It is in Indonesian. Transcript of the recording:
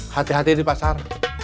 hati hati di pasar